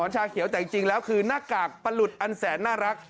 จากจริงแล้วคือหน้ากากปรุดอันแสนน่ารัก